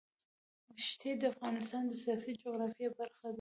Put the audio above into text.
ښتې د افغانستان د سیاسي جغرافیه برخه ده.